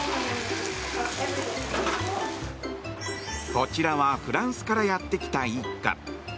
こちらはフランスからやってきた一家。